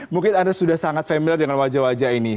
mungkin anda sudah sangat familiar dengan wajah wajah ini